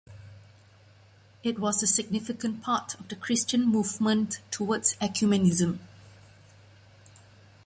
It was a significant part of the Christian movement towards Ecumenism.